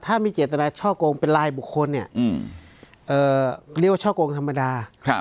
ถ้ามีเจตนาช่อโกงเป็นรายบุคคลเนี่ยเรียกว่าช่อกงธรรมดา